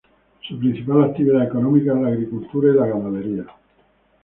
Su principal actividad económica es la agricultura y la ganadería.